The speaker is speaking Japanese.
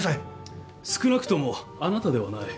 少なくともあなたではない。